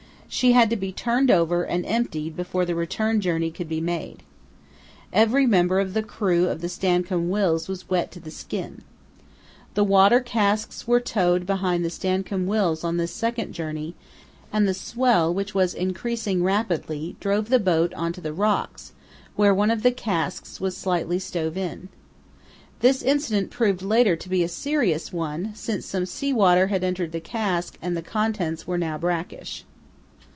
She had to be turned over and emptied before the return journey could be made. Every member of the crew of the Stancomb Wills was wet to the skin. The water casks were towed behind the Stancomb Wills on this second journey, and the swell, which was increasing rapidly, drove the boat on to the rocks, where one of the casks was slightly stove in. This accident proved later to be a serious one, since some sea water had entered the cask and the contents were now brackish.